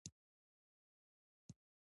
د خلکو غږ اورېدل د ثبات لپاره مهم دي